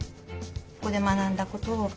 ここで学んだことプラス